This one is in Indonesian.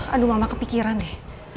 aduh mama kepikiran deh